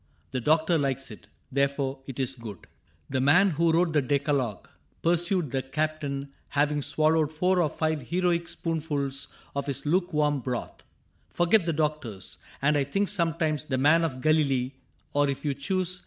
The doctor likes it, therefore it is good. The man who wrote the decalogue," pursued The Captain, having swallowed four or five Heroic spoonfuls of his lukewarm broth, " Forgot the doctors. And I think sometimes The man of Galilee (or, if you choose.